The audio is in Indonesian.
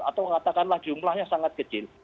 atau katakanlah jumlahnya sangat kecil